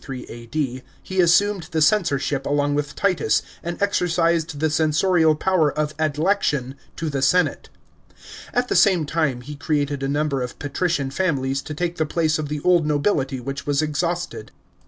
D.) he assumed the censorship along with Titus, and exercised the censorial power of adlection to the senate. At the same time, he created a number of patrician families to take the place of the old nobility which was exhausted.